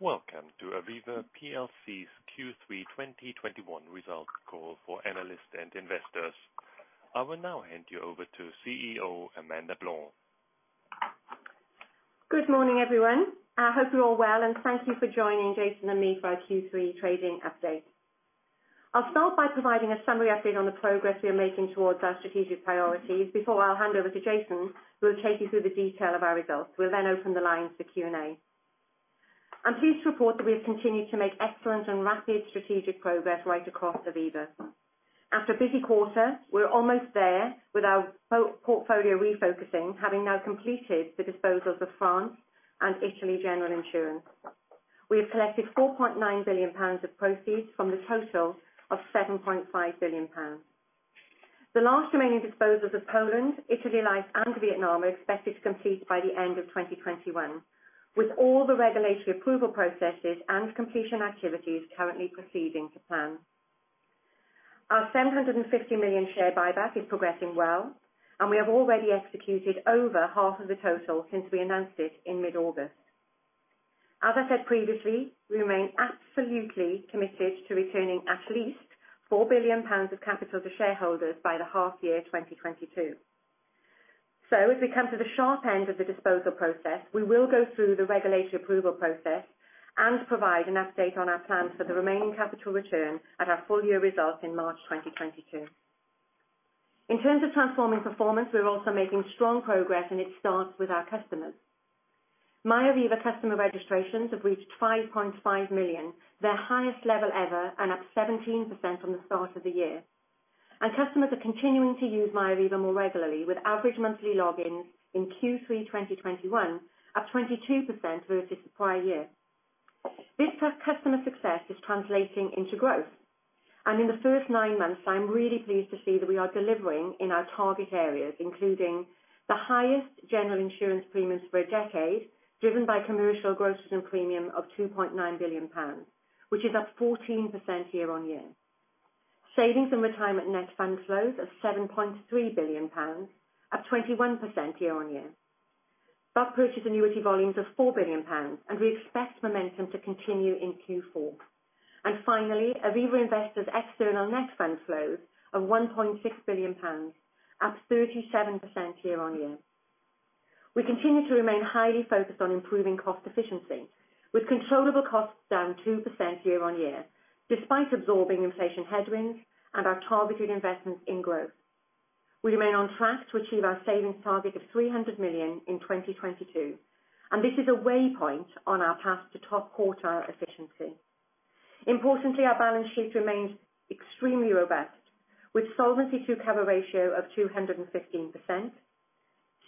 Welcome to Aviva plc's Q3 2021 results call for analysts and investors. I will now hand you over to CEO Amanda Blanc. Good morning, everyone. I hope you're all well, and thank you for joining Jason and me for our Q3 trading update. I'll start by providing a summary update on the progress we are making towards our strategic priorities before I'll hand over to Jason, who will take you through the detail of our results. We'll then open the lines for Q&A. I'm pleased to report that we have continued to make excellent and rapid strategic progress right across Aviva. After a busy quarter, we're almost there with our portfolio refocusing, having now completed the disposals of France and Italy general insurance. We have collected 4.9 billion pounds of proceeds from the total of 7.5 billion pounds. The last remaining disposals of Poland, Italy Life, and Vietnam are expected to complete by the end of 2021, with all the regulatory approval processes and completion activities currently proceeding to plan. Our 750 million share buyback is progressing well, and we have already executed over half of the total since we announced it in mid-August. As I said previously, we remain absolutely committed to returning at least 4 billion pounds of capital to shareholders by the half-year 2022. So, as we come to the sharp end of the disposal process, we will go through the regulatory approval process and provide an update on our plans for the remaining capital return at our full-year results in March 2022. In terms of transforming performance, we're also making strong progress, and it starts with our customers. MyAviva customer registrations have reached 5.5 million, their highest level ever, and up 17% from the start of the year. Customers are continuing to use MyAviva more regularly, with average monthly logins in Q3 2021 up 22% versus the prior year. This customer success is translating into growth, and in the first nine months, I'm really pleased to see that we are delivering in our target areas, including the highest general insurance premiums for a decade, driven by commercial gross written premium of 2.9 billion pounds, which is up 14% year-on-year. Savings and retirement net fund flows of 7.3 billion pounds, up 21% year-on-year. Bulk purchase annuity volumes of 4 billion pounds, and we expect momentum to continue in Q4. And finally, Aviva Investors' external net fund flows of 1.6 billion pounds, up 37% year-on-year. We continue to remain highly focused on improving cost efficiency, with controllable costs down 2% year-on-year, despite absorbing inflation headwinds and our targeted investments in growth. We remain on track to achieve our savings target of 300 million in 2022, and this is a waypoint on our path to top-quartile efficiency. Importantly, our balance sheet remains extremely robust, with Solvency II coverage ratio of 215%,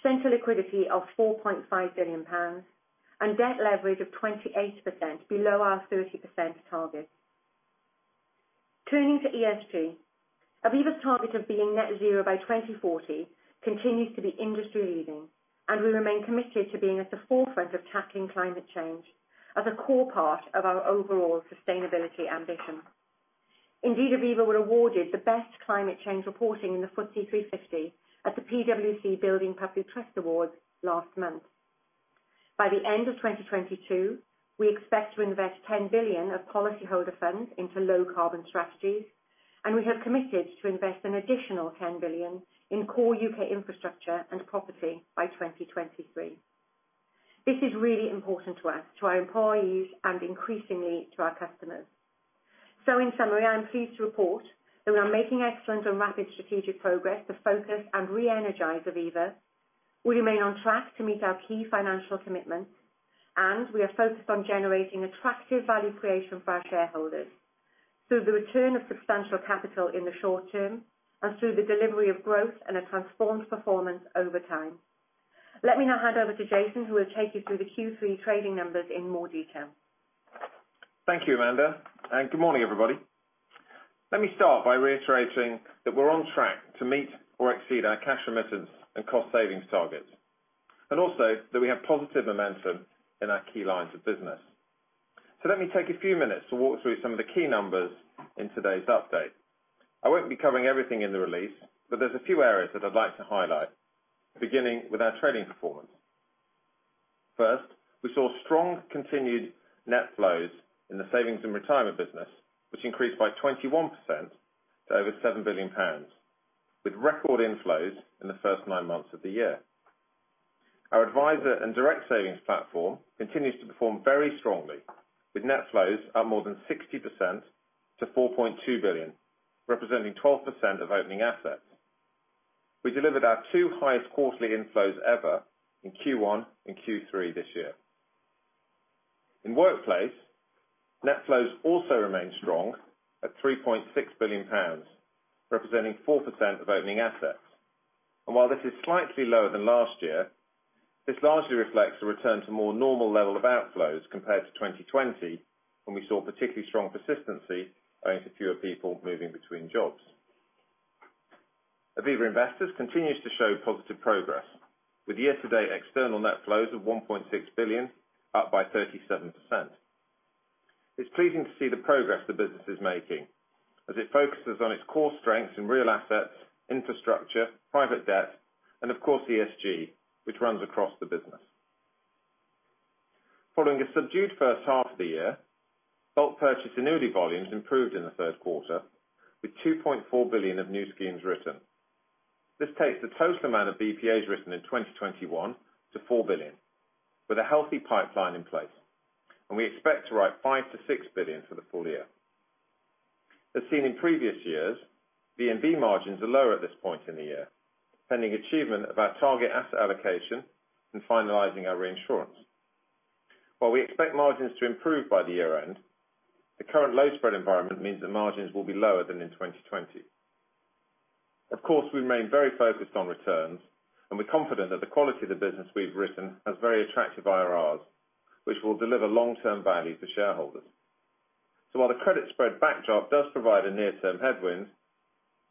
central liquidity of £4.5 billion, and debt leverage of 28%, below our 30% target. Turning to ESG, Aviva's target of being net zero by 2040 continues to be industry-leading, and we remain committed to being at the forefront of tackling climate change as a core part of our overall sustainability ambition. Indeed, Aviva were awarded the best climate change reporting in the FTSE 350 at the PwC Building Public Trust Awards last month. By the end of 2022, we expect to invest £10 billion of policyholder funds into low-carbon strategies, and we have committed to invest an additional £10 billion in core U.K. infrastructure and property by 2023. This is really important to us, to our employees, and increasingly to our customers. So, in summary, I'm pleased to report that we are making excellent and rapid strategic progress to focus and re-energize Aviva. We remain on track to meet our key financial commitments, and we are focused on generating attractive value creation for our shareholders through the return of substantial capital in the short term and through the delivery of growth and a transformed performance over time. Let me now hand over to Jason, who will take you through the Q3 trading numbers in more detail. Thank you, Amanda, and good morning, everybody. Let me start by reiterating that we're on track to meet or exceed our cash remittance and cost savings targets, and also that we have positive momentum in our key lines of business. So, let me take a few minutes to walk through some of the key numbers in today's update. I won't be covering everything in the release, but there's a few areas that I'd like to highlight, beginning with our trading performance. First, we saw strong continued net flows in the savings and retirement business, which increased by 21% to over £7 billion, with record inflows in the first nine months of the year. Our advisor and direct savings platform continues to perform very strongly, with net flows up more than 60% to £4.2 billion, representing 12% of opening assets. We delivered our two highest quarterly inflows ever in Q1 and Q3 this year. In workplace, net flows also remain strong at 3.6 billion pounds, representing 4% of opening assets. While this is slightly lower than last year, this largely reflects a return to a more normal level of outflows compared to 2020, when we saw particularly strong persistency owing to fewer people moving between jobs. Aviva Investors continue to show positive progress, with year-to-date external net flows of 1.6 billion, up by 37%. It's pleasing to see the progress the business is making, as it focuses on its core strengths in real assets, infrastructure, private debt, and of course ESG, which runs across the business. Following a subdued first half of the year, bulk purchase annuity volumes improved in the third quarter, with 2.4 billion of new schemes written. This takes the total amount of BPAs written in 2021 to £4 billion, with a healthy pipeline in place, and we expect to write £5 billion-£6 billion for the full year. As seen in previous years, VNB margins are lower at this point in the year, pending achievement of our target asset allocation and finalizing our reinsurance. While we expect margins to improve by the year-end, the current low spread environment means that margins will be lower than in 2020. Of course, we remain very focused on returns, and we're confident that the quality of the business we've written has very attractive IRRs, which will deliver long-term value to shareholders. So, while the credit spread backdrop does provide a near-term headwind,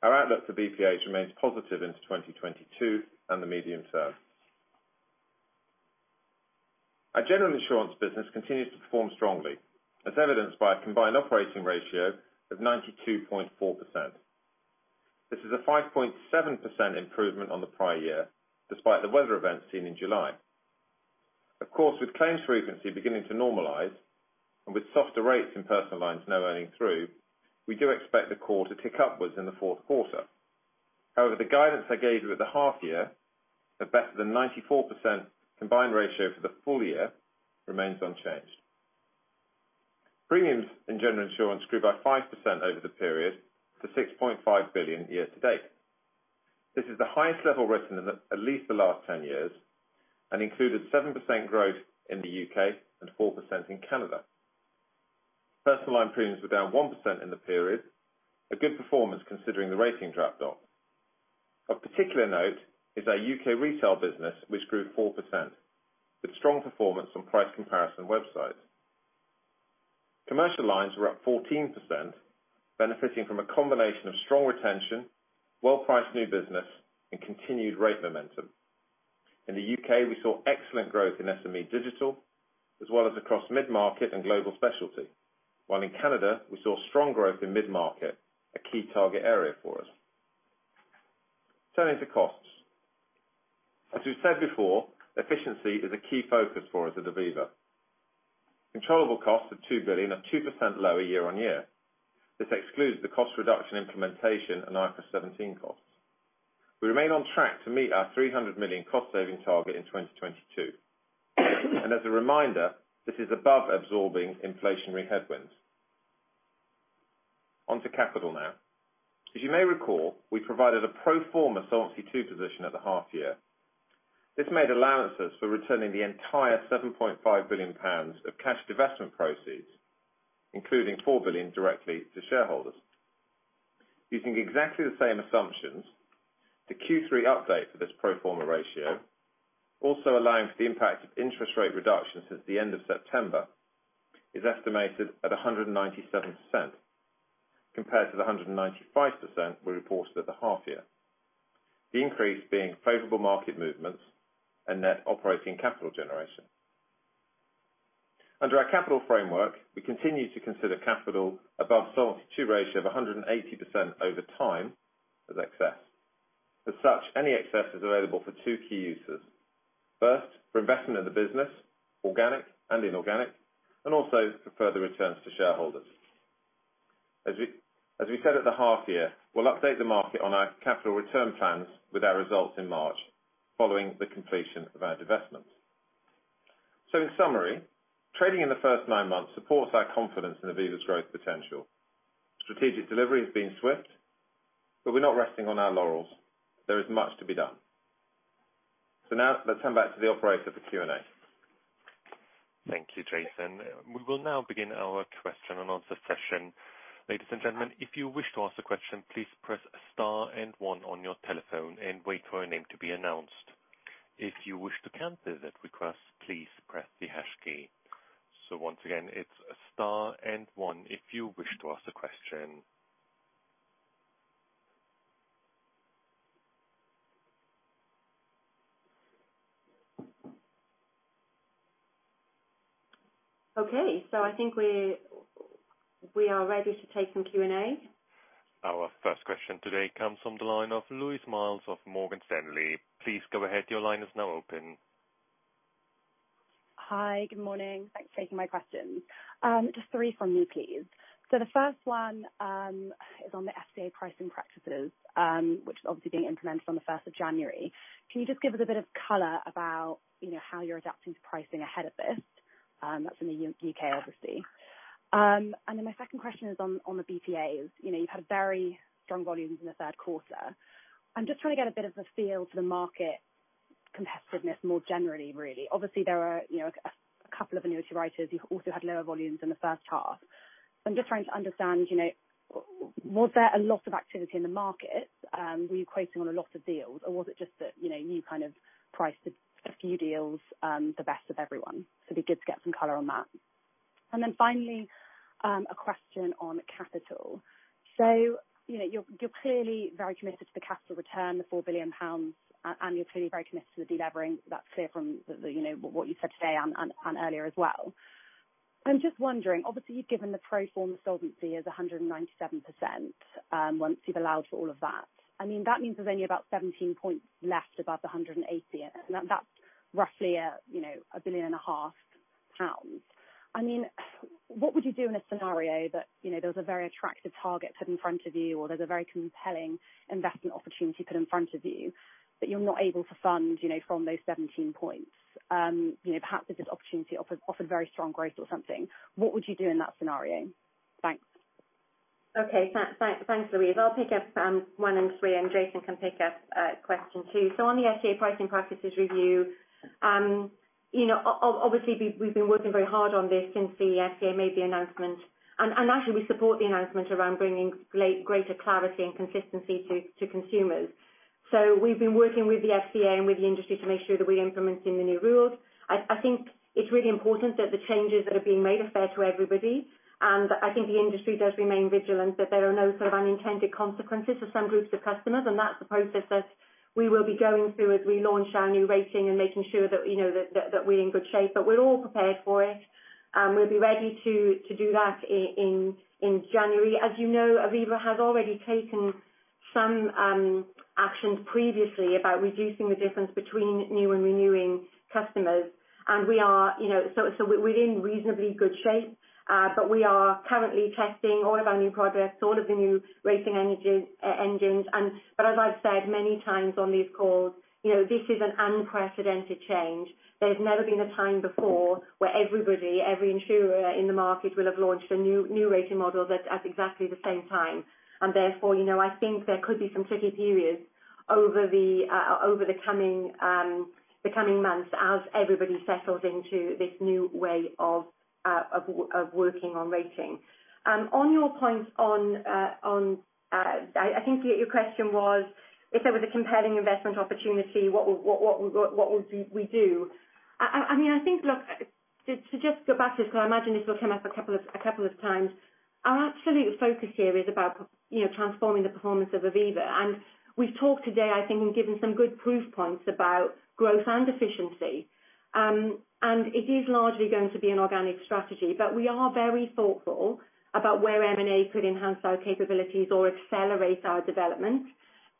our outlook for BPAs remains positive into 2022 and the medium term. Our general insurance business continues to perform strongly, as evidenced by a combined operating ratio of 92.4%. This is a 5.7% improvement on the prior year, despite the weather events seen in July. Of course, with claims frequency beginning to normalize and with softer rates in personal lines now earning through, we do expect the core to tick upwards in the fourth quarter. However, the guidance I gave you at the half-year, of better than 94% combined ratio for the full year, remains unchanged. Premiums in general insurance grew by 5% over the period to £6.5 billion year-to-date. This is the highest level written in at least the last 10 years and included 7% growth in the U.K. and 4% in Canada. Personal line premiums were down 1% in the period, a good performance considering the rating dropped off. Of particular note is our U.K. retail business, which grew 4%, with strong performance on price comparison websites. Commercial lines were up 14%, benefiting from a combination of strong retention, well-priced new business, and continued rate momentum. In the U.K., we saw excellent growth in SME digital, as well as across mid-market and global specialty, while in Canada we saw strong growth in mid-market, a key target area for us. Turning to costs. As we've said before, efficiency is a key focus for us at Aviva. Controllable costs of 2 billion are 2% lower year-on-year. This excludes the cost reduction implementation and IFRS 17 costs. We remain on track to meet our 300 million cost saving target in 2022, and as a reminder, this is above absorbing inflationary headwinds. Onto capital now. As you may recall, we provided a pro forma Solvency II position at the half-year. This made allowances for returning the entire 7.5 billion pounds of cash divestment proceeds, including 4 billion directly to shareholders. Using exactly the same assumptions, the Q3 update for this pro forma ratio, also allowing for the impact of interest rate reductions since the end of September, is estimated at 197%, compared to the 195% we reported at the half-year, the increase being favorable market movements and net operating capital generation. Under our capital framework, we continue to consider capital above Solvency II ratio of 180% over time as excess. As such, any excess is available for two key uses: first, for investment in the business, organic and inorganic, and also for further returns to shareholders. As we said at the half-year, we'll update the market on our capital return plans with our results in March, following the completion of our divestments. So, in summary, trading in the first nine months supports our confidence in Aviva's growth potential. Strategic delivery has been swift, but we're not resting on our laurels. There is much to be done. So now, let's turn back to the operator for Q&A. Thank you, Jason. We will now begin our question and answer session. Ladies and gentlemen, if you wish to ask a question, please press star and one on your telephone and wait for a name to be announced. If you wish to cancel that request, please press the hash key. So once again, it's star and one if you wish to ask a question. Okay, so I think we are ready to take some Q&A. Our first question today comes from the line of Louise Mylott of Morgan Stanley. Please go ahead. Your line is now open. Hi, good morning. Thanks for taking my questions. Just three from me, please. So the first one is on the FCA pricing practices, which is obviously being implemented on the 1st of January. Can you just give us a bit of color about how you're adapting to pricing ahead of this? That's in the U.K., obviously. And then my second question is on the BPAs. You've had very strong volumes in the third quarter. I'm just trying to get a bit of a feel for the market competitiveness more generally, really. Obviously, there were a couple of annuity writers who also had lower volumes in the first half. I'm just trying to understand, was there a lot of activity in the market? Were you closing on a lot of deals, or was it just that you kind of priced a few deals the best of everyone? So it'd be good to get some color on that. And then finally, a question on capital. So you're clearly very committed to the capital return, the 4 billion pounds, and you're clearly very committed to the delivering. That's clear from what you said today and earlier as well. I'm just wondering, obviously, you've given the pro forma solvency as 197% once you've allowed for all of that. I mean, that means there's only about 17 points left above the 180, and that's roughly 1.5 billion. I mean, what would you do in a scenario that there was a very attractive target put in front of you, or there's a very compelling investment opportunity put in front of you that you're not able to fund from those 17 points? Perhaps if this opportunity offered very strong growth or something, what would you do in that scenario? Thanks. Okay, thanks, Louise. I'll pick up one and three, and Jason can pick up question two. So on the FCA pricing practices review, obviously, we've been working very hard on this since the FCA made the announcement. And actually, we support the announcement around bringing greater clarity and consistency to consumers. So we've been working with the FCA and with the industry to make sure that we're implementing the new rules. I think it's really important that the changes that are being made are fair to everybody, and I think the industry does remain vigilant that there are no sort of unintended consequences for some groups of customers, and that's the process that we will be going through as we launch our new rating and making sure that we're in good shape. But we're all prepared for it, and we'll be ready to do that in January. As you know, Aviva has already taken some actions previously about reducing the difference between new and renewing customers, and so we're in reasonably good shape, but we are currently testing all of our new products, all of the new pricing engines. But as I've said many times on these calls, this is an unprecedented change. There's never been a time before where everybody, every insurer in the market, will have launched a new rating model at exactly the same time. And therefore, I think there could be some tricky periods over the coming months as everybody settles into this new way of working on rating. On your points on I think your question was if there was a compelling investment opportunity, what would we do? I mean, I think, look, to just go back to this, because I imagine this will come up a couple of times, our absolute focus here is about transforming the performance of Aviva, and we've talked today, I think, and given some good proof points about growth and efficiency. And it is largely going to be an organic strategy, but we are very thoughtful about where M&A could enhance our capabilities or accelerate our development.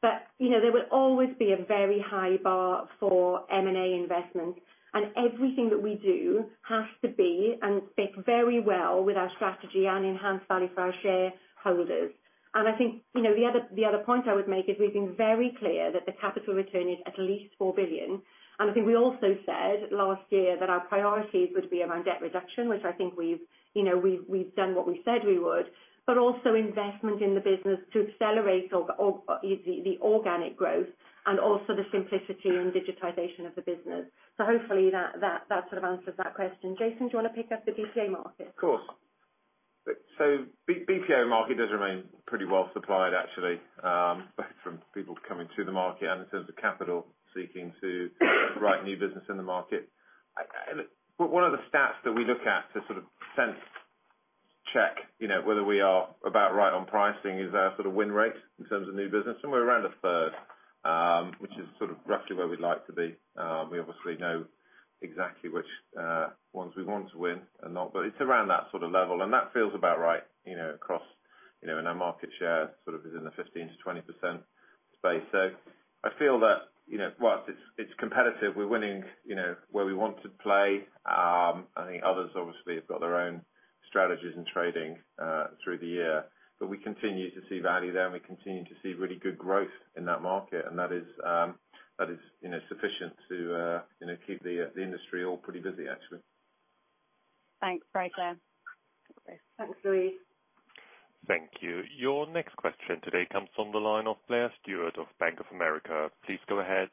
But there will always be a very high bar for M&A investment, and everything that we do has to be and fit very well with our strategy and enhance value for our shareholders. And I think the other point I would make is we've been very clear that the capital return is at least £4 billion. And I think we also said last year that our priorities would be around debt reduction, which I think we've done what we said we would, but also investment in the business to accelerate the organic growth and also the simplicity and digitization of the business. So hopefully, that sort of answers that question. Jason, do you want to pick up the BPA market? Of course. So BPA market does remain pretty well supplied, actually, both from people coming to the market and in terms of capital seeking to write new business in the market. One of the stats that we look at to sort of sense-check whether we are about right on pricing is our sort of win rate in terms of new business, and we're around a third, which is sort of roughly where we'd like to be. We obviously know exactly which ones we want to win and not, but it's around that sort of level, and that feels about right across in our market share, sort of within the 15%-20% space. So I feel that whilst it's competitive, we're winning where we want to play. I think others, obviously, have got their own strategies and trading through the year, but we continue to see value there, and we continue to see really good growth in that market, and that is sufficient to keep the industry all pretty busy, actually. Thanks, very clear. Thanks, Louise. Thank you. Your next question today comes from the line of Blair Stewart of Bank of America. Please go ahead.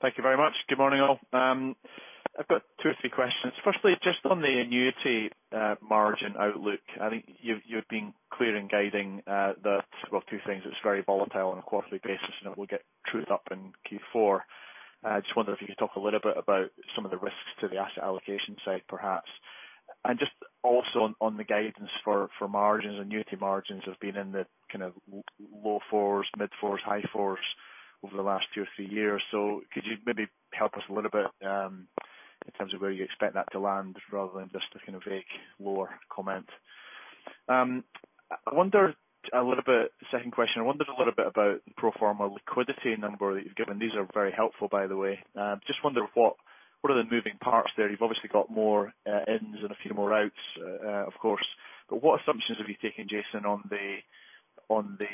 Thank you very much. Good morning, all. I've got two or three questions. Firstly, just on the annuity margin outlook, I think you've been clear in guiding that, well, two things. It's very volatile on a quarterly basis, and it will get trued up in Q4. I just wondered if you could talk a little bit about some of the risks to the asset allocation side, perhaps. And just also on the guidance for margins, annuity margins have been in the kind of low fours, mid-fours, high fours over the last two or three years. So could you maybe help us a little bit in terms of where you expect that to land rather than just a kind of vague, lower comment? I wonder a little bit second question. I wondered a little bit about the pro forma liquidity number that you've given. These are very helpful, by the way. Just wonder what are the moving parts there? You've obviously got more ends and a few more routes, of course. But what assumptions have you taken, Jason, on the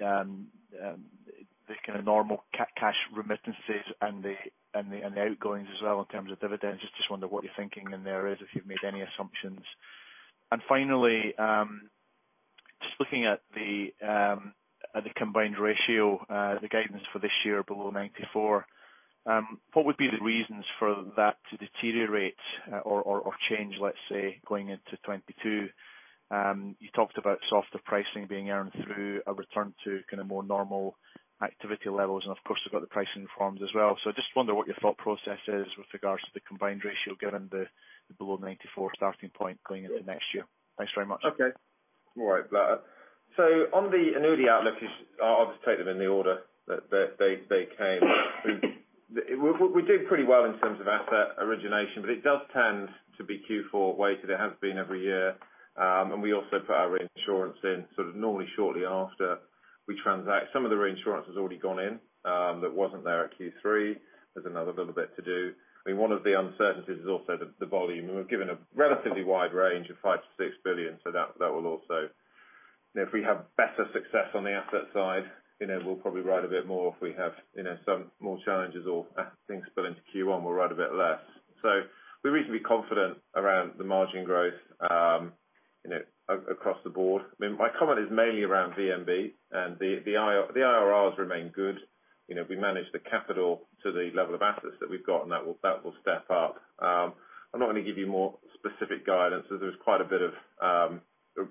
kind of normal cash remittances and the outgoings as well in terms of dividends? I just wonder what you're thinking in there as if you've made any assumptions. And finally, just looking at the combined ratio, the guidance for this year below 94, what would be the reasons for that to deteriorate or change, let's say, going into 2022? You talked about softer pricing being earned through a return to kind of more normal activity levels, and of course, you've got the pricing reforms as well. So I just wonder what your thought process is with regards to the combined ratio given the below 94 starting point going into next year. Thanks very much. Okay. All right, Blair. So on the annuity outlook, I'll just take them in the order that they came. We're doing pretty well in terms of asset origination, but it does tend to be Q4 weighted. It has been every year. And we also put our reinsurance in sort of normally shortly after we transact. Some of the reinsurance has already gone in. That wasn't there at Q3. There's another little bit to do. I mean, one of the uncertainties is also the volume. We're given a relatively wide range of 5 billion-6 billion, so that will also if we have better success on the asset side, we'll probably ride a bit more if we have some more challenges or things spill into Q1, we'll ride a bit less. So we're reasonably confident around the margin growth across the board. I mean, my comment is mainly around VNB, and the IRRs remain good. We manage the capital to the level of assets that we've got, and that will step up. I'm not going to give you more specific guidance as there was quite a bit of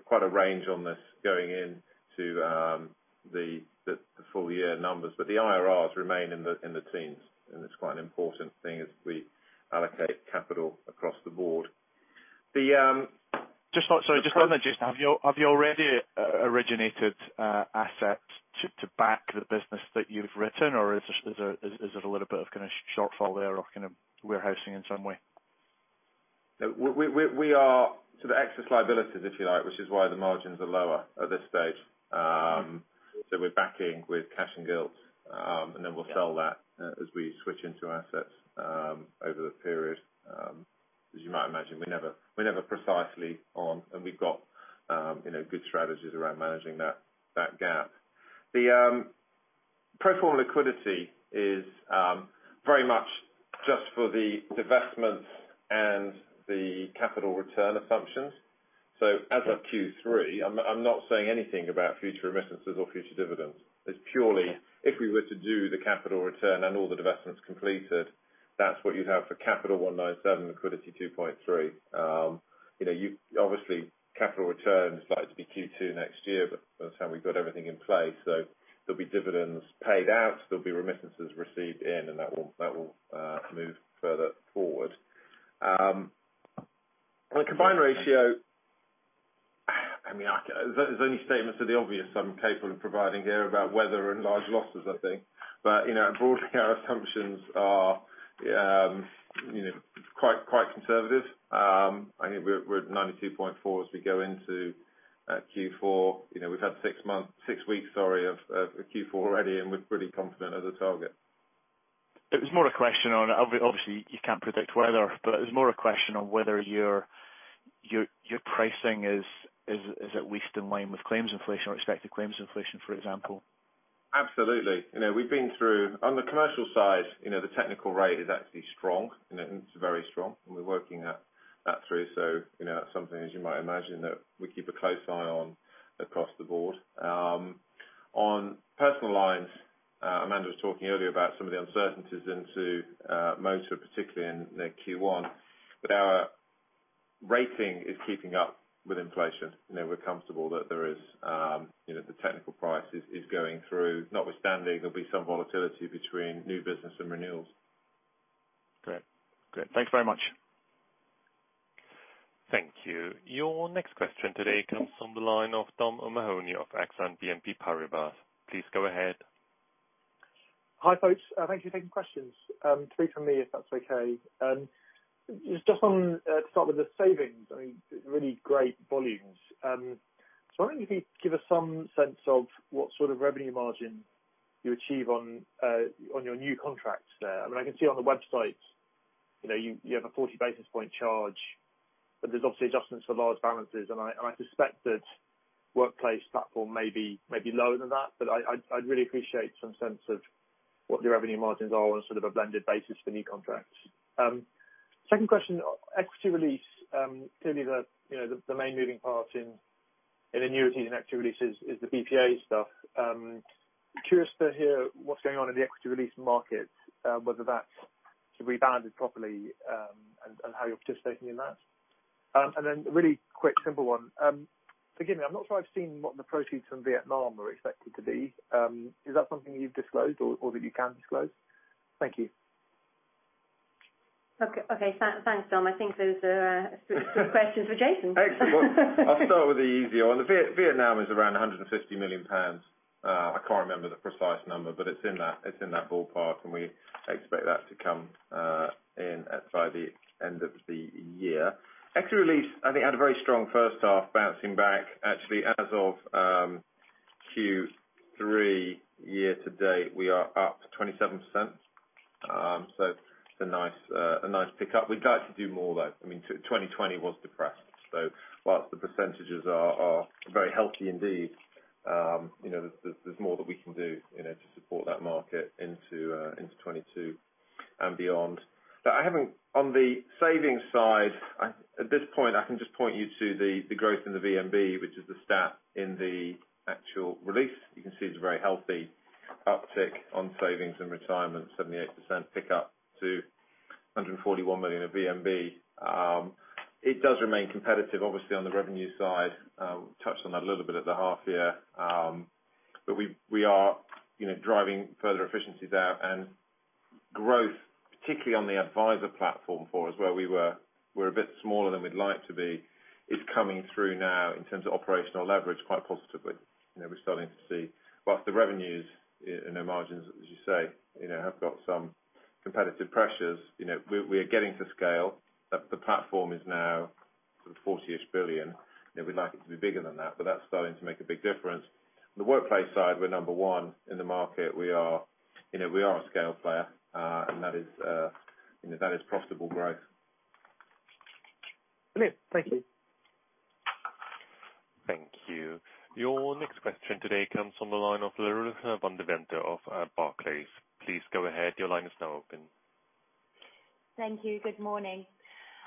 quite a range on this going into the full year numbers, but the IRRs remain in the teens, and it's quite an important thing as we allocate capital across the board. Sorry, just on the Jason, have you already originated assets to back the business that you've written, or is there a little bit of kind of shortfall there of kind of warehousing in some way? We are sort of excess liabilities, if you like, which is why the margins are lower at this stage. So we're backing with cash and gilts, and then we'll sell that as we switch into assets over the period. As you might imagine, we're never precisely on, and we've got good strategies around managing that gap. The pro forma liquidity is very much just for the divestments and the capital return assumptions. So as of Q3, I'm not saying anything about future remittances or future dividends. It's purely if we were to do the capital return and all the divestments completed, that's what you'd have for capital 19.7, liquidity 2.3. Obviously, capital return is likely to be Q2 next year, but that's how we've got everything in place. So there'll be dividends paid out, there'll be remittances received in, and that will move further forward. The combined ratio, I mean, there's only statements of the obvious I'm capable of providing here about weather and large losses, I think. But broadly, our assumptions are quite conservative. I think we're at 92.4 as we go into Q4. We've had six weeks, sorry, of Q4 already, and we're pretty confident as a target. It was more a question on obviously, you can't predict weather, but it was more a question on whether your pricing is at least in line with claims inflation or expected claims inflation, for example. Absolutely. We've been through on the commercial side, the technical rate is actually strong, and it's very strong, and we're working that through. So that's something, as you might imagine, that we keep a close eye on across the board. On personal lines, Amanda was talking earlier about some of the uncertainties into motor, particularly in Q1. But our rating is keeping up with inflation. We're comfortable that there is the technical price is going through. Notwithstanding, there'll be some volatility between new business and renewals. Great. Great. Thanks very much. Thank you. Your next question today comes from the line of Dominic O'Mahony of Exane BNP Paribas. Please go ahead. Hi folks. Thanks for taking questions. three from me, if that's okay. Just to start with the savings, I mean, really great volumes. So I wonder if you could give us some sense of what sort of revenue margin you achieve on your new contracts there. I mean, I can see on the website, you have a 40 basis point charge, but there's obviously adjustments for large balances, and I suspect that workplace platform may be lower than that, but I'd really appreciate some sense of what the revenue margins are on sort of a blended basis for new contracts. Second question, equity release, clearly the main moving part in annuities and equity releases is the BPA stuff. Curious to hear what's going on in the equity release market, whether that's to be banded properly and how you're participating in that. And then a really quick, simple one. Forgive me, I'm not sure I've seen what the proceeds from Vietnam were expected to be. Is that something you've disclosed or that you can disclose? Thank you. Okay. Thanks, Dom. I think those are good questions for Jason. Excellent. I'll start with the easier one. Vietnam is around 150 million pounds. I can't remember the precise number, but it's in that ballpark, and we expect that to come in by the end of the year. Equity release, I think, had a very strong first half, bouncing back. Actually, as of Q3 year to date, we are up 27%. So it's a nice pickup. We'd like to do more, though. I mean, 2020 was depressed. So while the percentages are very healthy indeed, there's more that we can do to support that market into 2022 and beyond. But I haven't on the savings side, at this point, I can just point you to the growth in the VNB, which is the stat in the actual release. You can see it's a very healthy uptick on savings and retirement, 78% pickup to 141 million of VNB. It does remain competitive, obviously, on the revenue side. We touched on that a little bit at the half year, but we are driving further efficiencies out, and growth, particularly on the adviser platform for us, where we were a bit smaller than we'd like to be, is coming through now in terms of operational leverage quite positively. We're starting to see whilst the revenues and the margins, as you say, have got some competitive pressures, we are getting to scale. The platform is now sort of 40-ish billion. We'd like it to be bigger than that, but that's starting to make a big difference. On the workplace side, we're number one in the market. We are a scale player, and that is profitable growth. Brilliant. Thank you. Thank you. Your next question today comes from the line of Larissa van Deventer of Barclays. Please go ahead. Your line is now open. Thank you. Good morning.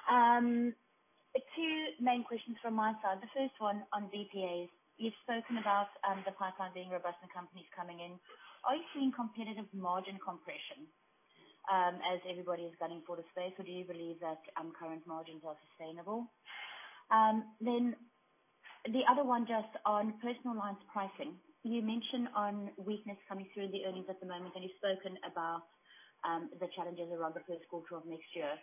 Two main questions from my side. The first one on BPAs. You've spoken about the pipeline being robust and companies coming in. Are you seeing competitive margin compression as everybody is gunning for the space, or do you believe that current margins are sustainable? Then the other one just on personal lines pricing. You mentioned on weakness coming through in the earnings at the moment, and you've spoken about the challenges around the first quarter of next year.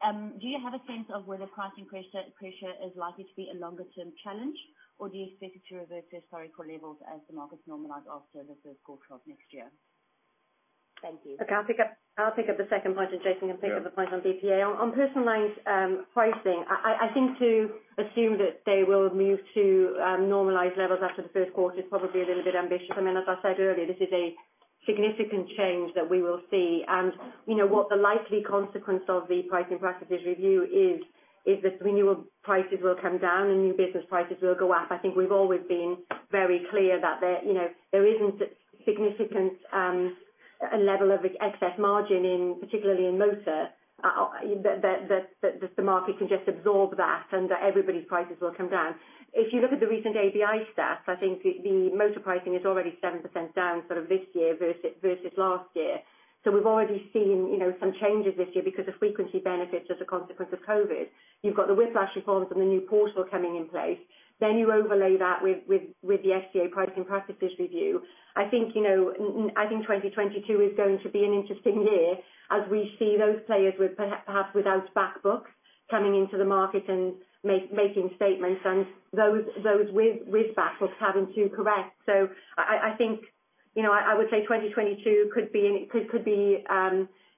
Do you have a sense of whether price increase pressure is likely to be a longer-term challenge, or do you expect it to revert to historical levels as the markets normalize after the first quarter of next year? Thank you. I'll pick up the second point, and Jason can pick up a point on BPA. On personal lines pricing, I think to assume that they will move to normalized levels after the first quarter is probably a little bit ambitious. I mean, as I said earlier, this is a significant change that we will see. And what the likely consequence of the Pricing Practices Review is, is that renewal prices will come down and new business prices will go up. I think we've always been very clear that there isn't a significant level of excess margin, particularly in motor, that the market can just absorb that and that everybody's prices will come down. If you look at the recent ABI stats, I think the motor pricing is already 7% down sort of this year versus last year. So we've already seen some changes this year because of frequency benefits as a consequence of COVID. You've got the Whiplash Reforms and the new portal coming in place. Then you overlay that with the FCA pricing practices review. I think 2022 is going to be an interesting year as we see those players perhaps without backbooks coming into the market and making statements and those with backbooks having to correct. So I think I would say 2022 could be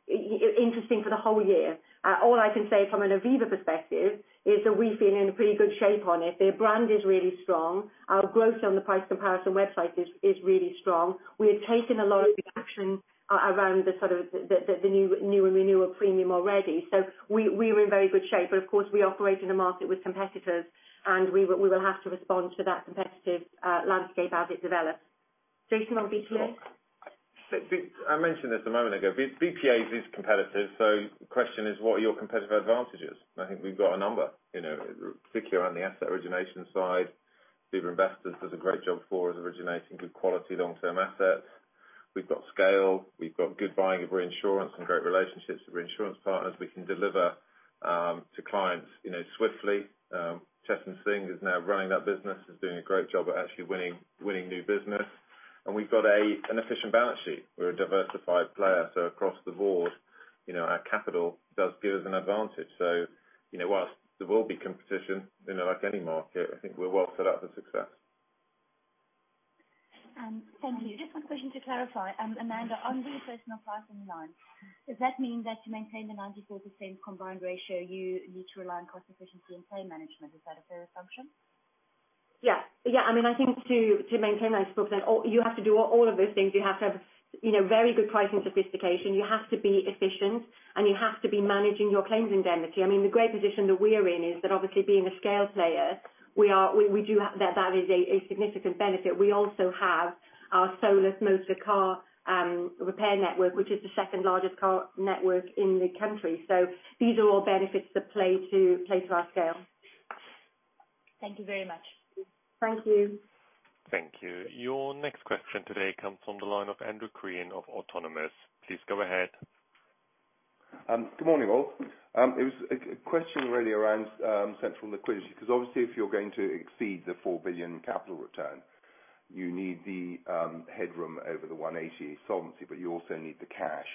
interesting for the whole year. All I can say from an Aviva perspective is that we've been in pretty good shape on it. The brand is really strong. Our growth on the price comparison website is really strong. We have taken a lot of the action around the sort of the new and renewal premium already. So we are in very good shape, but of course, we operate in a market with competitors, and we will have to respond to that competitive landscape as it develops. Jason, on BPA? I mentioned this a moment ago. BPAs is competitive. So the question is, what are your competitive advantages? I think we've got a number, particularly around the asset origination side. Aviva Investors does a great job for us originating good quality long-term assets. We've got scale. We've got good buying of reinsurance and great relationships with reinsurance partners. We can deliver to clients swiftly. Chetan Singh is now running that business, is doing a great job at actually winning new business. And we've got an efficient balance sheet. We're a diversified player. So across the board, our capital does give us an advantage. So while there will be competition, like any market, I think we're well set up for success. Thank you. Just one question to clarify. Amanda, on the personal pricing line, does that mean that to maintain the 94% combined ratio, you need to rely on cost efficiency and claim management? Is that a fair assumption? Yeah. Yeah. I mean, I think to maintain 94%, you have to do all of those things. You have to have very good pricing sophistication. You have to be efficient, and you have to be managing your claims indemnity. I mean, the great position that we're in is that obviously, being a scale player, we do have that is a significant benefit. We also have our Solus motor car repair network, which is the second largest car network in the country. So these are all benefits that play to our scale. Thank you very much. Thank you. Thank you. Your next question today comes from the line of Andrew Crean of Autonomous. Please go ahead. Good morning, all. It was a question really around central liquidity because obviously, if you're going to exceed the 4 billion capital return, you need the headroom over the 180 solvency, but you also need the cash.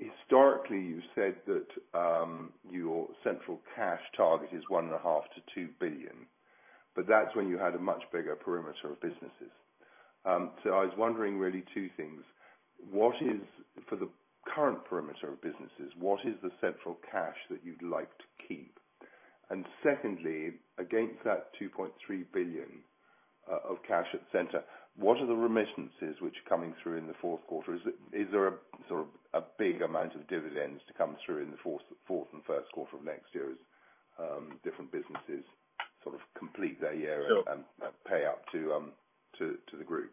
Historically, you said that your central cash target is 1.5 billion-2 billion, but that's when you had a much bigger perimeter of businesses. So I was wondering really two things. For the current perimeter of businesses, what is the central cash that you'd like to keep? And secondly, against that 2.3 billion of cash at center, what are the remittances which are coming through in the fourth quarter? Is there a sort of a big amount of dividends to come through in the fourth and first quarter of next year as different businesses sort of complete their year and pay up to the group?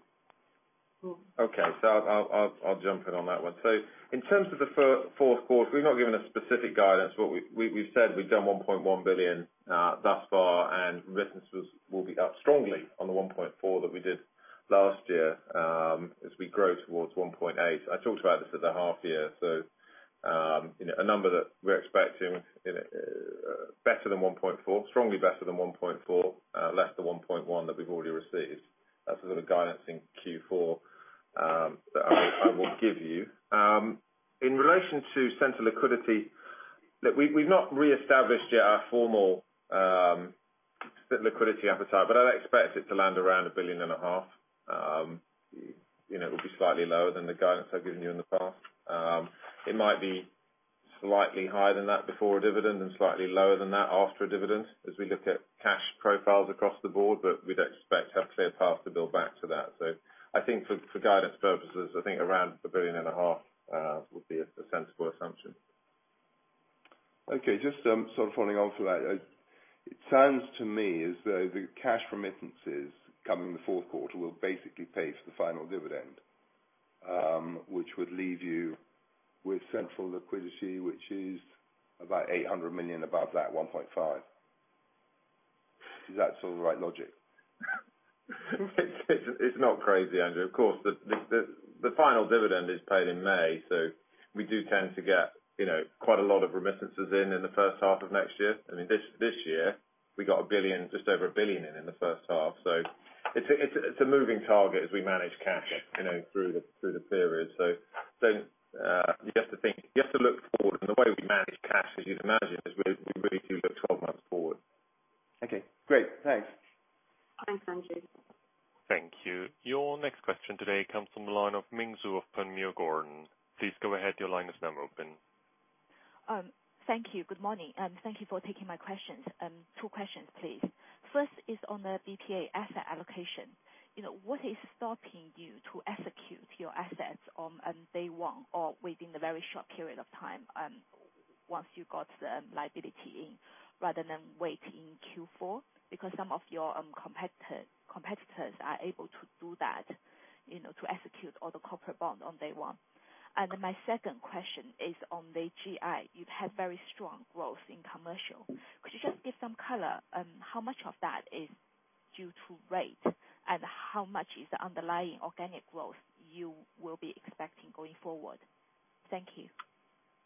Okay. So I'll jump in on that one. So in terms of the fourth quarter, we've not given a specific guidance. We've said we've done 1.1 billion thus far, and remittances will be up strongly on the 1.4 billion that we did last year as we grow towards 1.8 billion. I talked about this at the half year. So a number that we're expecting better than 1.4 billion, strongly better than 1.4 billion, less than 1.1 billion that we've already received. That's the sort of guidance in Q4 that I will give you. In relation to central liquidity, we've not reestablished yet our formal liquidity appetite, but I expect it to land around 1.5 billion. It will be slightly lower than the guidance I've given you in the past. It might be slightly higher than that before a dividend and slightly lower than that after a dividend as we look at cash profiles across the board, but we'd expect to have clear paths to build back to that. So I think for guidance purposes, I think around 1.5 billion would be a sensible assumption. Okay. Just sort of following on from that, it sounds to me as though the cash remittances coming the fourth quarter will basically pay for the final dividend, which would leave you with central liquidity, which is about 800 million above that 1.5. Is that sort of the right logic? It's not crazy, Andrew. Of course, the final dividend is paid in May, so we do tend to get quite a lot of remittances in in the first half of next year. I mean, this year, we got just over 1 billion in in the first half. So it's a moving target as we manage cash through the period. So you have to think you have to look forward. And the way we manage cash, as you'd imagine, is we really do look 12 months forward. Okay. Great. Thanks. Thanks, Andrew. Thank you. Your next question today comes from the line of Ming Zhu of Panmure Gordon. Please go ahead. Your line is now open. Thank you. Good morning. Thank you for taking my questions. Two questions, please. First is on the BPA asset allocation. What is stopping you to execute your assets on day one or within the very short period of time once you got the liability in rather than wait in Q4? Because some of your competitors are able to do that, to execute all the corporate bond on day one. My second question is on the GI. You've had very strong growth in commercial. Could you just give some color on how much of that is due to rate and how much is the underlying organic growth you will be expecting going forward? Thank you.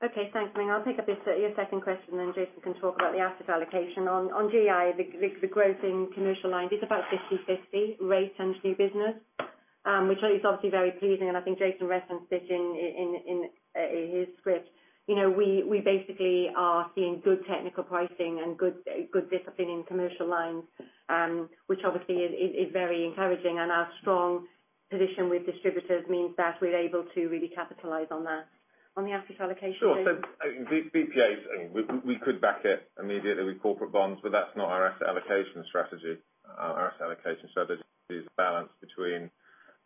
Okay. Thanks. I mean, I'll take up your second question, and then Jason can talk about the asset allocation. On GI, the growth in commercial line, it's about 50/50 rate and new business, which is obviously very pleasing. And I think Jason referenced this in his script. We basically are seeing good technical pricing and good discipline in commercial lines, which obviously is very encouraging. And our strong position with distributors means that we're able to really capitalize on that on the asset allocation. Sure. So BPAs, I mean, we could back it immediately with corporate bonds, but that's not our asset allocation strategy. Our asset allocation strategy is a balance between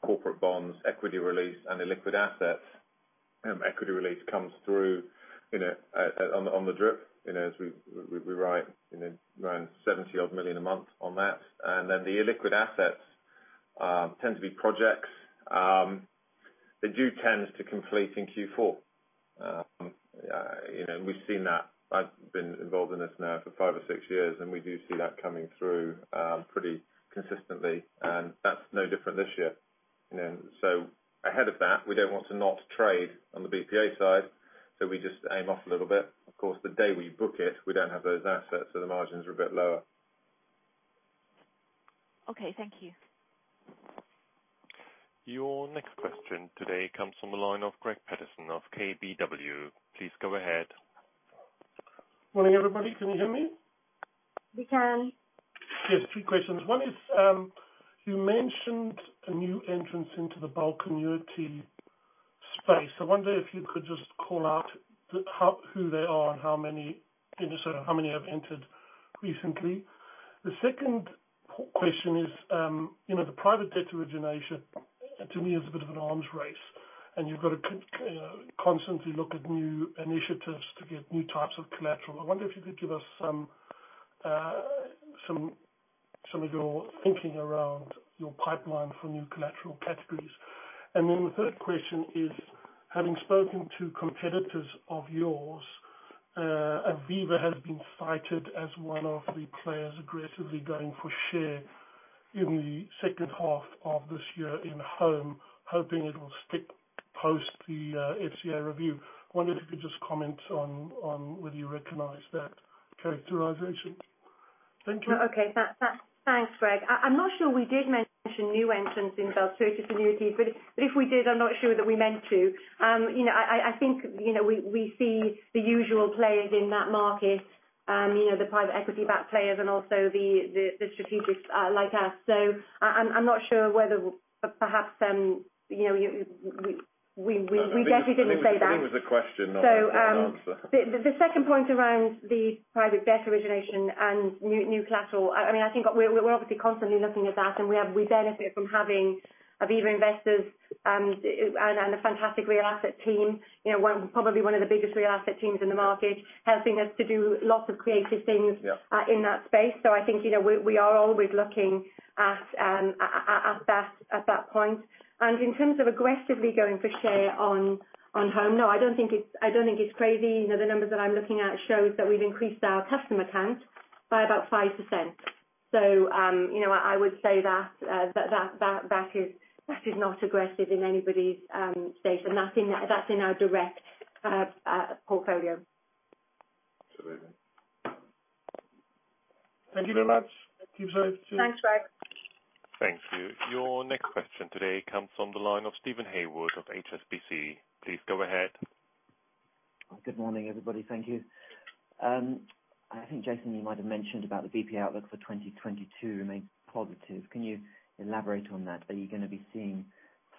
corporate bonds, equity release, and illiquid assets. Equity release comes through on the drip as we write around 70-odd million a month on that. And then the illiquid assets tend to be projects. They do tend to complete in Q4. We've seen that. I've been involved in this now for five or six years, and we do see that coming through pretty consistently. And that's no different this year. So ahead of that, we don't want to not trade on the BPA side, so we just aim off a little bit. Of course, the day we book it, we don't have those assets, so the margins are a bit lower. Okay. Thank you. Your next question today comes from the line of Greig Paterson of KBW. Please go ahead. Morning, everybody. Can you hear me? We can. Yes. Two questions. One is, you mentioned a new entrance into the bulk annuity space. I wonder if you could just call out who they are and how many have entered recently. The second question is, the private debt origination, to me, is a bit of an arms race, and you've got to constantly look at new initiatives to get new types of collateral. I wonder if you could give us some of your thinking around your pipeline for new collateral categories. And then the third question is, having spoken to competitors of yours, Aviva has been cited as one of the players aggressively going for share in the second half of this year in home, hoping it will stick post the FCA review. I wonder if you could just comment on whether you recognize that characterization. Thank you. Okay. Thanks, Greg. I'm not sure we did mention new entrants in those purchase annuities, but if we did, I'm not sure that we meant to. I think we see the usual players in that market, the private equity-backed players and also the strategists like us. So I'm not sure whether perhaps we definitely didn't say that. The second thing was a question, not a good answer. The second point around the private debt origination and new collateral, I mean, I think we're obviously constantly looking at that, and we benefit from having Aviva Investors and a fantastic real asset team, probably one of the biggest real asset teams in the market, helping us to do lots of creative things in that space. So I think we are always looking at that point. And in terms of aggressively going for share on home, no, I don't think it's crazy. The numbers that I'm looking at show that we've increased our customer count by about 5%. So I would say that that is not aggressive in anybody's state, and that's in our direct portfolio. Absolutely. Thank you very much. Keep safe. Thanks, Greg. Thank you. Your next question today comes from the line of Steven Haywood of HSBC. Please go ahead. Good morning, everybody. Thank you. I think, Jason, you might have mentioned about the BPA outlook for 2022 remains positive. Can you elaborate on that? Are you going to be seeing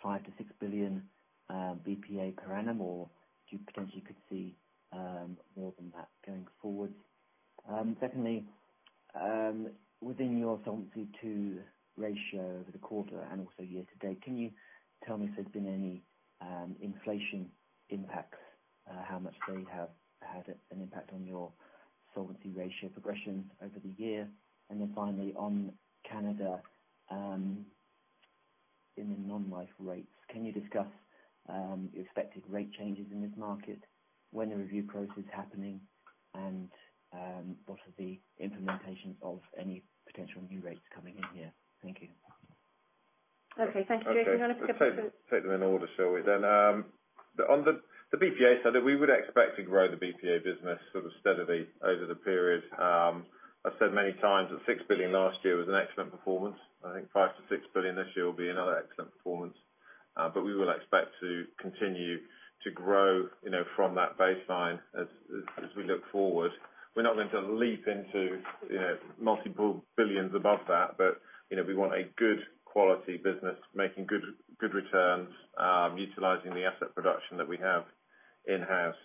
5-6 billion BPA per annum, or do you potentially could see more than that going forward? Secondly, within your Solvency II ratio over the quarter and also year to date, can you tell me if there's been any inflation impacts, how much they have had an impact on your Solvency II ratio progression over the year? And then finally, on Canada in the non-life rates, can you discuss your expected rate changes in this market when the review process is happening and what are the implementations of any potential new rates coming in here? Thank you. Okay. Thank you, Jason. I'm going to pick up. Take them in order, shall we? Then on the BPA side, we would expect to grow the BPA business sort of steadily over the period. I've said many times that 6 billion last year was an excellent performance. I think 5 billion-6 billion this year will be another excellent performance. But we will expect to continue to grow from that baseline as we look forward. We're not going to leap into multiple billions above that, but we want a good quality business making good returns, utilizing the asset production that we have in-house.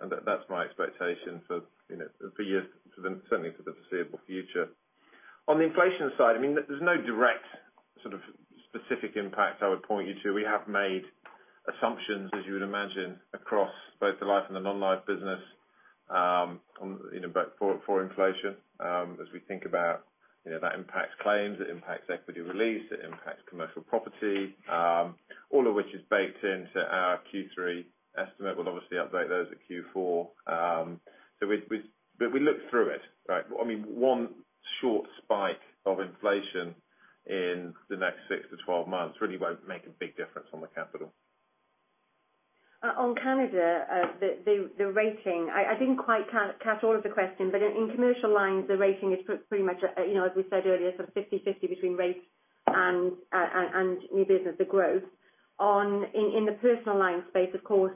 And that's my expectation for certainly for the foreseeable future. On the inflation side, I mean, there's no direct sort of specific impact I would point you to. We have made assumptions, as you would imagine, across both the life and the non-life business for inflation as we think about that impacts claims, it impacts equity release, it impacts commercial property, all of which is baked into our Q3 estimate. We'll obviously update those at Q4. But we look through it. I mean, one short spike of inflation in the next 6-12 months really won't make a big difference on the capital. On Canada, the rating I didn't quite catch all of the questions, but in commercial lines, the rating is pretty much, as we said earlier, sort of 50/50 between rate and new business, the growth. In the personal line space, of course,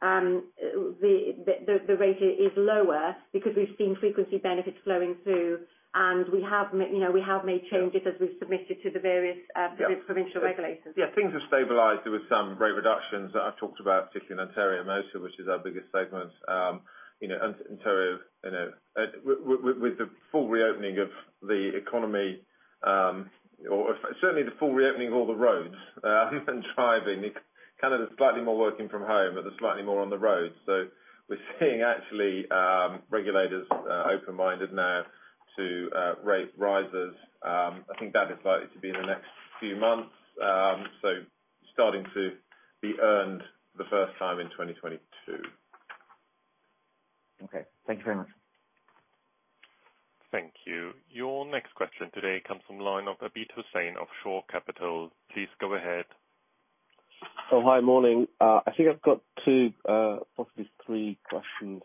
the rate is lower because we've seen frequency benefits flowing through, and we have made changes as we've submitted to the various provincial regulators. Yeah. Things have stabilized. There were some rate reductions that I've talked about, particularly in Ontario Motor, which is our biggest segment. Ontario, with the full reopening of the economy, or certainly the full reopening of all the roads and driving, Canada is slightly more working from home and slightly more on the roads. So we're seeing actually regulators open-minded now to rate risers. I think that is likely to be in the next few months, so starting to be earned for the first time in 2022. Okay. Thank you very much. Thank you. Your next question today comes from the line of Abid Hussain of Shore Capital. Please go ahead. Oh, hi. Morning. I think I've got two, possibly three questions.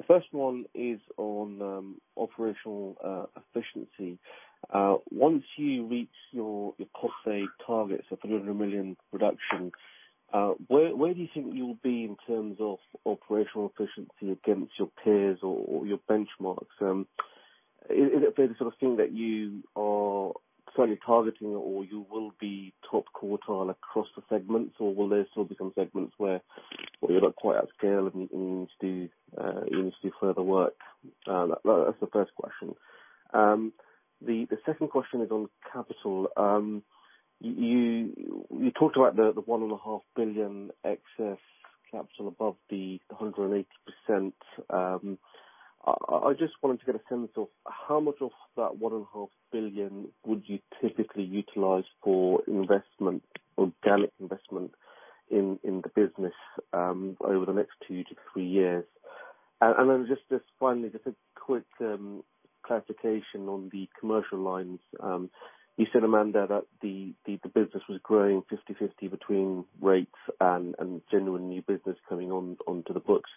The first one is on operational efficiency. Once you reach your cost-save target, so 300 million reduction, where do you think you'll be in terms of operational efficiency against your peers or your benchmarks? Is it the sort of thing that you are slightly targeting, or you will be top quartile across the segments, or will there still be some segments where you're not quite at scale and you need to do further work? That's the first question. The second question is on capital. You talked about the 1.5 billion excess capital above the 180%. I just wanted to get a sense of how much of that 1.5 billion would you typically utilize for organic investment in the business over the next two to three years? And then just finally, just a quick clarification on the commercial lines. You said, Amanda, that the business was growing 50/50 between rates and genuine new business coming onto the books.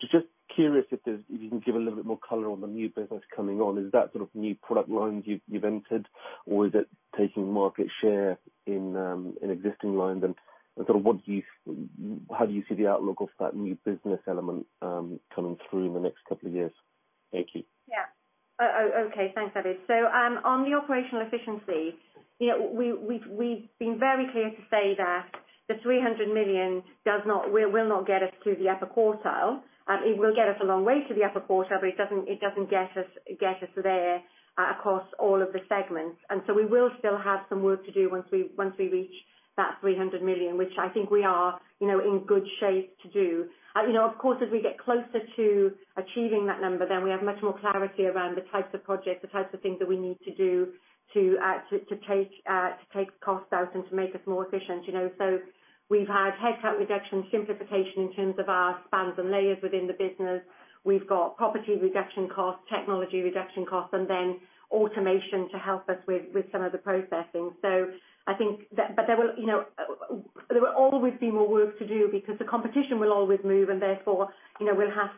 Just curious if you can give a little bit more color on the new business coming on. Is that sort of new product lines you've entered, or is it taking market share in existing lines? And sort of how do you see the outlook of that new business element coming through in the next couple of years? Thank you. Yeah. Okay. Thanks, Abid. So on the operational efficiency, we've been very clear to say that the 300 million will not get us to the upper quartile. It will get us a long way to the upper quartile, but it doesn't get us there across all of the segments. And so we will still have some work to do once we reach that 300 million, which I think we are in good shape to do. Of course, as we get closer to achieving that number, then we have much more clarity around the types of projects, the types of things that we need to do to take costs out and to make us more efficient. So we've had headcount reduction, simplification in terms of our spans and layers within the business. We've got property reduction costs, technology reduction costs, and then automation to help us with some of the processing. So I think that there will always be more work to do because the competition will always move, and therefore, we'll have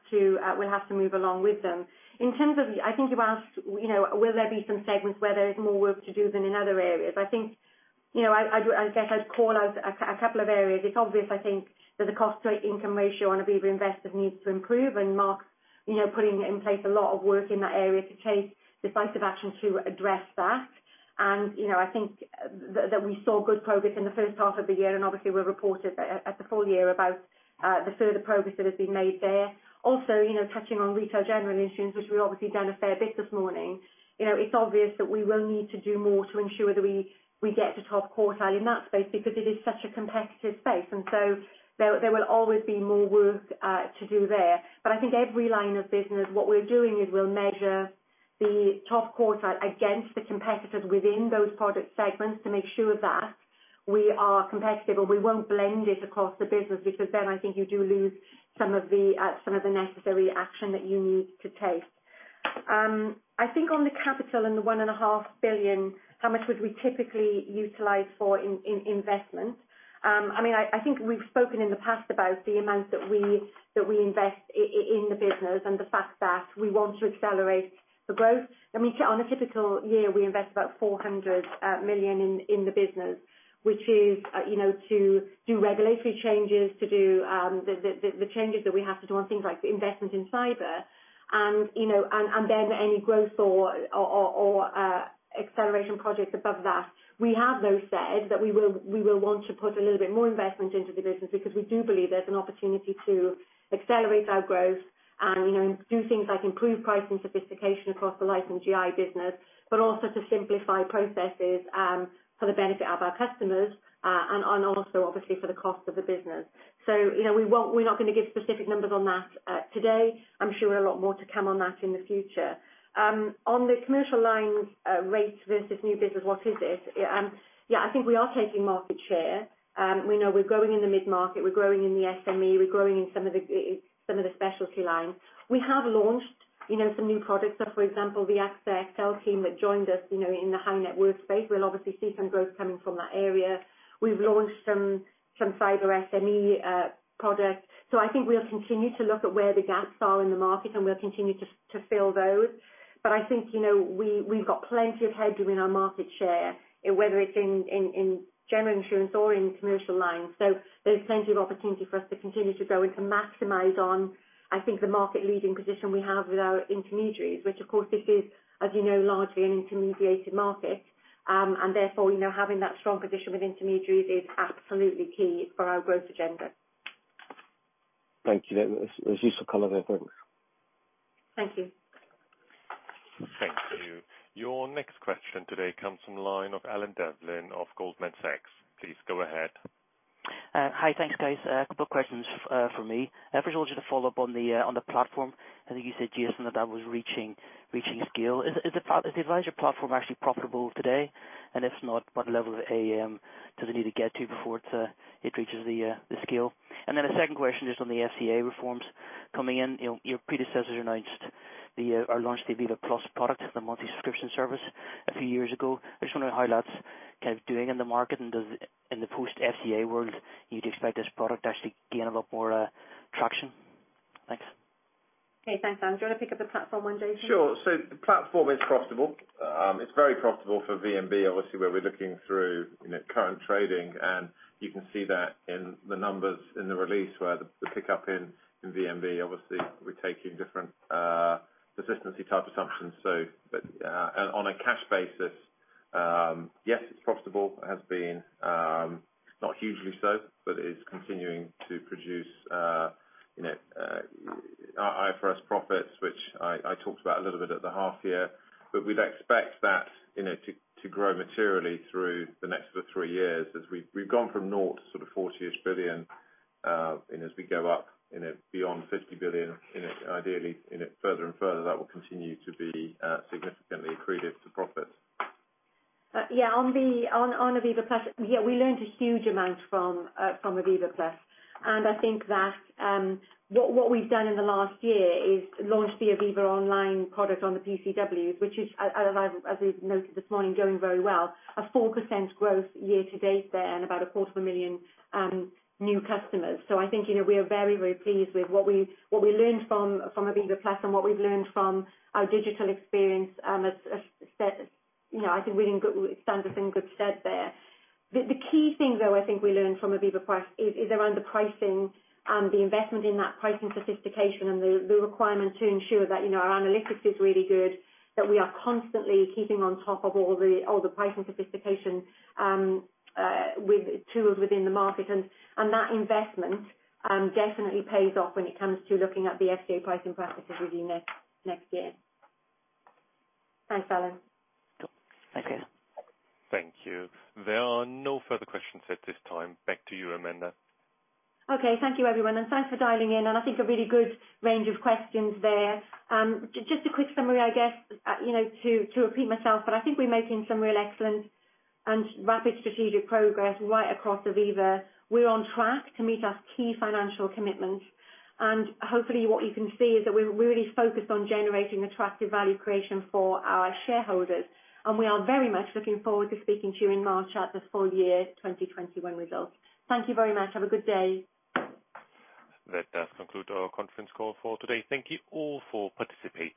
to move along with them. In terms of, I think you asked, will there be some segments where there is more work to do than in other areas? I think I guess I'd call out a couple of areas. It's obvious, I think, that the cost-to-income ratio on Aviva Investors needs to improve, and Mark's putting in place a lot of work in that area to take decisive action to address that. And I think that we saw good progress in the first half of the year, and obviously, we've reported at the full year about the further progress that has been made there. Also, touching on retail general insurance, which we've obviously done a fair bit this morning, it's obvious that we will need to do more to ensure that we get to top quartile in that space because it is such a competitive space. And so there will always be more work to do there. But I think every line of business, what we're doing is we'll measure the top quartile against the competitors within those product segments to make sure that we are competitive and we won't blend it across the business because then I think you do lose some of the necessary action that you need to take. I think on the capital and the 1.5 billion, how much would we typically utilize for investment? I mean, I think we've spoken in the past about the amount that we invest in the business and the fact that we want to accelerate the growth. I mean, on a typical year, we invest about 400 million in the business, which is to do regulatory changes, to do the changes that we have to do on things like investment in cyber, and then any growth or acceleration projects above that. We have though said that we will want to put a little bit more investment into the business because we do believe there's an opportunity to accelerate our growth and do things like improve pricing sophistication across the life and GI business, but also to simplify processes for the benefit of our customers and also, obviously, for the cost of the business. So we're not going to give specific numbers on that today. I'm sure a lot more to come on that in the future. On the commercial lines, rates versus new business, what is it? Yeah, I think we are taking market share. We know we're growing in the mid-market. We're growing in the SME. We're growing in some of the specialty lines. We have launched some new products. So, for example, the AXA XL team that joined us in the high-net-worth space, we'll obviously see some growth coming from that area. We've launched some Cyber SME products. So I think we'll continue to look at where the gaps are in the market, and we'll continue to fill those. But I think we've got plenty of headroom in our market share, whether it's in general insurance or in commercial lines. There's plenty of opportunity for us to continue to go and to maximize on, I think, the market-leading position we have with our intermediaries, which, of course, this is, as you know, largely an intermediated market. Therefore, having that strong position with intermediaries is absolutely key for our growth agenda. Thank you. That's useful color, though. Thanks. Thank you. Thank you. Your next question today comes from the line of Alan Devlin of Goldman Sachs. Please go ahead. Hi. Thanks, guys. A couple of questions for me. First, I wanted to follow up on the platform. I think you said, Jason, that that was reaching scale. Is the adviser platform actually profitable today? And if not, what level of AAM does it need to get to before it reaches the scale? And then a second question is on the FCA reforms coming in. Your predecessors announced or launched the AvivaPlus product, the multi-subscription service, a few years ago. I just want to know how that's kind of doing in the market, and in the post-FCA world, you'd expect this product to actually gain a lot more traction? Thanks. Okay. Thanks, Alan. Do you want to pick up the platform one, Jason? Sure. So the platform is profitable. It's very profitable for VNB, obviously, where we're looking through current trading. And you can see that in the numbers in the release where the pickup in VNB, obviously, we're taking different persistency type assumptions. And on a cash basis, yes, it's profitable. It has been not hugely so, but it is continuing to produce IFRS profits, which I talked about a little bit at the half year. But we'd expect that to grow materially through the next three years as we've gone from naught to sort of 40-ish billion as we go up beyond 50 billion. Ideally, further and further, that will continue to be significantly accretive to profits. Yeah. On Aviva Plus, yeah, we learned a huge amount from Aviva Plus. And I think that what we've done in the last year is launch the Aviva Online product on the PCWs, which is, as we've noted this morning, going very well. A 4% growth year to date there and about 250,000 new customers. So I think we are very, very pleased with what we learned from Aviva Plus and what we've learned from our digital experience. I think we're in good standards and good stead there. The key thing, though, I think we learned from Aviva Plus is around the pricing and the investment in that pricing sophistication and the requirement to ensure that our analytics is really good, that we are constantly keeping on top of all the pricing sophistication with tools within the market. That investment definitely pays off when it comes to looking at the FCA pricing practices within next year. Thanks, Alan. Thank you. Thank you. There are no further questions at this time. Back to you, Amanda. Okay. Thank you, everyone. And thanks for dialing in. And I think a really good range of questions there. Just a quick summary, I guess, to repeat myself, but I think we're making some real excellent and rapid strategic progress right across Aviva. We're on track to meet our key financial commitments. And hopefully, what you can see is that we're really focused on generating attractive value creation for our shareholders. And we are very much looking forward to speaking to you in March at the full year 2021 results. Thank you very much. Have a good day. Let us conclude our conference call for today. Thank you all for participating.